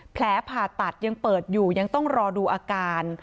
แผลผ่าตัดยังเปิดอยู่ยังต้องรอดูอาการ